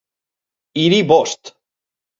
Hiri bost!